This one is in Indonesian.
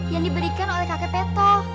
yang diberikan oleh kakek peto